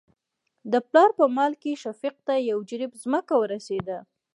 د پلار په مال کې شفيق ته يو جرېب ځمکه ورسېده.